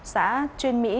xã chuyên mỹ